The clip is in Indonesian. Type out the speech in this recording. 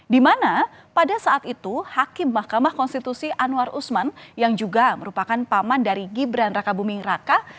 dimana pada saat itu hakim mahkamah konstitusi anwar usman yang juga merupakan paman dari gibran raka buming raka